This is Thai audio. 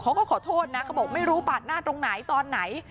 เขาก็ขอโทษนะเขาบอกไม่รู้ปาดหน้าตรงไหนตอนไหน